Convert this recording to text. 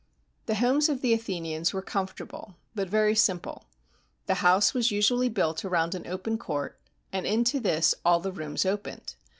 The homes of the Athenians were comfortable, but very simple. The house was usually built around an open court, and into this all the rooms opened.